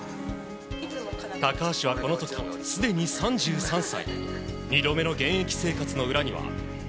高橋はこの時すでに３３歳。